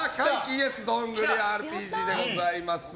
ＹｅｓどんぐりＲＰＧでございます。